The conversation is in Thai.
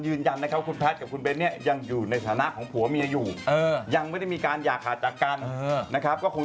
เป็นเรื่องที่แบบว่าเอ้าจริง